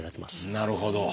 なるほど。